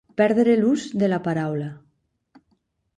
Perdre l'ús de la paraula.